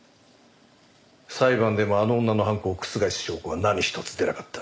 裁判でもあの女の犯行を覆す証拠は何一つ出なかった。